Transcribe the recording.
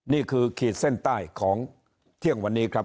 ขีดเส้นใต้ของเที่ยงวันนี้ครับ